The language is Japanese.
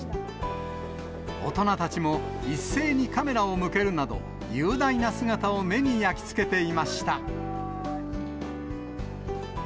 大人たちも一斉にカメラを向けるなど、雄大な姿を目に焼き付けていました。